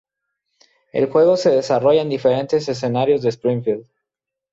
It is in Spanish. El juego se desarrolla en diferentes escenarios de Springfield.